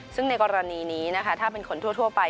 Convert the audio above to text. ซึ่งในกรณีนี้นะคะถ้าเป็นคนทั่วไป